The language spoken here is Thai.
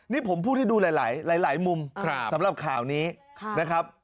นี่ผมพูดให้ดูหลายมุมสำหรับข่าวนี้นะครับ